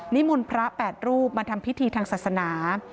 มนต์พระ๘รูปมาทำพิธีทางศาสนา